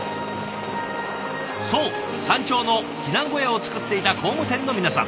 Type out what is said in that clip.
そう山頂の避難小屋をつくっていた工務店の皆さん。